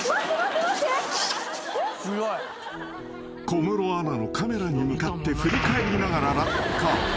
［小室アナのカメラに向かって振り返りながら落下］